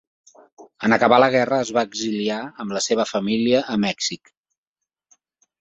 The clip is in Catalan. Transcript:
En acabar la guerra es va exiliar amb la seva família a Mèxic.